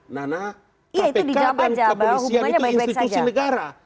nana kpk dan kepolisian itu institusi negara